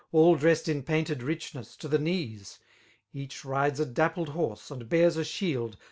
All dressed in painted ridiness to the knees : Each rides a dimpled horse, and bears a shidd.